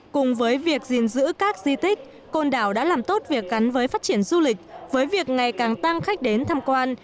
cùng với việc gìn giữ các di tích côn đảo đã làm tốt việc gắn với phát triển du lịch với việc ngày càng tăng khách đến tham quan